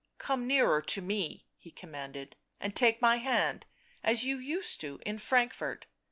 " Come nearer to me," he commanded, " and take my hand — as you used to, in Frankfort